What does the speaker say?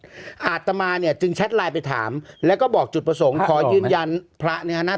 อาตมาเนี่ยจึงแชทไลน์ไปถามแล้วก็บอกจุดประสงค์ขอยืนยันพระนะครับ